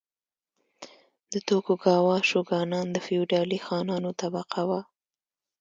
د توکوګاوا شوګانان د فیوډالي خانانو طبقه وه.